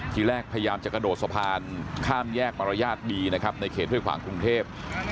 ทีแรกพยายามจะกระโดดสะพานข้ามแยกมารยาทบีนะครับในเขตห้วยขวางกรุงเทพ